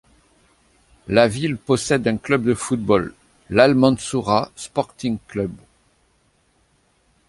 La ville possède un club de football, l'Al Mansourah Sporting Club.